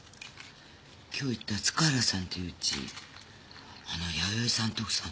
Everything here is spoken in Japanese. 今日行った塚原さんっていう家あの弥生さんって奥さん